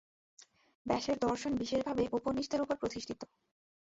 ব্যাসের দর্শন বিশেষভাবে উপনিষদের উপর প্রতিষ্ঠিত।